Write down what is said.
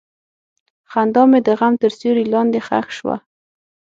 خندا مې د غم تر سیوري لاندې ښخ شوه.